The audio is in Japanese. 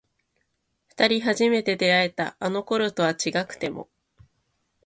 二人初めて出会えたあの頃とは違くても